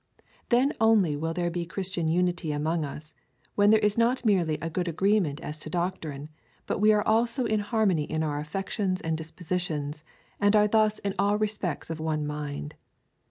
Then only will there be Christian unity among us, when there is not merely a good agreement as to doctrine, but we are also in harmony in our affections and dispositions, and are thus in all respects of one mind.